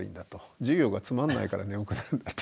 「授業がつまんないから眠くなるんだ」と。